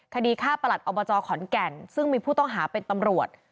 คดีฆ่าประหลัดอบจขอนแก่นซึ่งมีผู้ต้องหาเป็นตำรวจ